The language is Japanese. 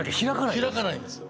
開かないんですよ。